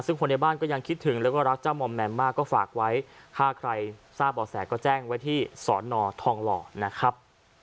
ซึ่งคนในบ้านก็ยังคิดถึงแล้วก็รักเจ้ามอมแมมมากก็ฝากไว้ถ้าใครทราบบ่อแสก็แจ้งไว้ที่สอนอทองหล่อนะครับ